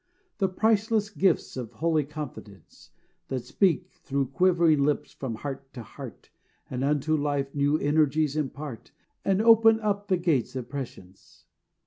The priceless gifts of holy confidence, That speak through quivering lips from heart to heart; That unto life new energies impart, And open up the gates of prescience.